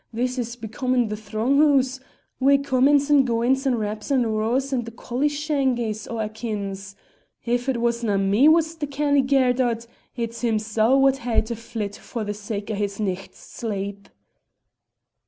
this is becomin' the throng hoose, wi' comin's and goin's and raps and roars and collie shangies o' a' kin's. If it wasna me was the canny gaird o't it's Himsel' wad hae to flit for the sake o' his nicht's sleep."